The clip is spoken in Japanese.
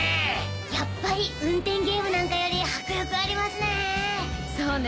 やっぱり運転ゲームなんかより迫力ありますね。